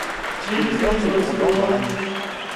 Il meurt cependant dans l'année.